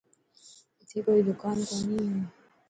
اٿي ڪوئي دڪان ڪوني هي.